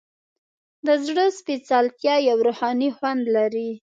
د زړه سپیڅلتیا یو روحاني خوند لري.